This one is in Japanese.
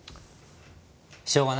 しょうがないよ。